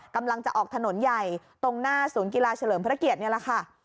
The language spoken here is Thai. กำลังจะออกถนนใหญ่ตรงหน้าศูนย์กีฬาเฉลิมพระเกียรตินี่แหละค่ะ